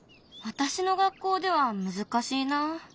私の学校では難しいなあ。